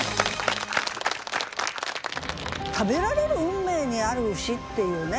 食べられる運命にある牛っていうね